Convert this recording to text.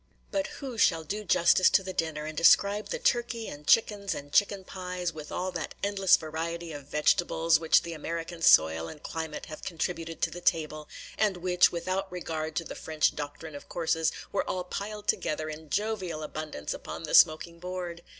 But who shall do justice to the dinner, and describe the turkey, and chickens, and chicken pies, with all that endless variety of vegetables which the American soil and climate have contributed to the table, and which, without regard to the French doctrine of courses, were all piled together in jovial abundance upon the smoking board?